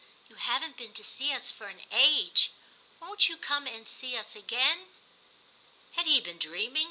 you haven't been to see us for an age ; won't you come and see us again ?' Had he been dreaming